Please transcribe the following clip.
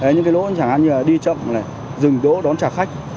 những cái lỗi chẳng hạn như là đi chậm dừng đỗ đón trả khách